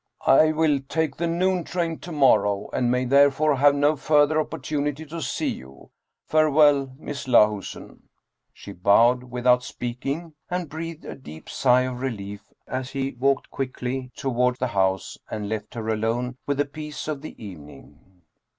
" I will take the noon train to morrow and may therefore have no further opportunity to see you. Farewell, Miss Lahusen." She bowed without speaking and breathed a deep sigh of relief as he walked quickly toward the house and left her alone with the peace of the evening.